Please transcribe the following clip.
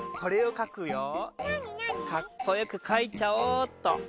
かっこよく描いちゃおうっと。